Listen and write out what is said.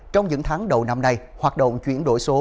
trong những tháng đầu năm nay hoạt động chuyển đổi số